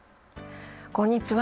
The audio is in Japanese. こんにちは。